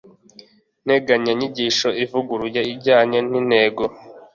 Integanyanyigisho ivuguruye ijyanye n'intego